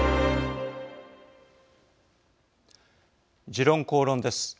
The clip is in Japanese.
「時論公論」です。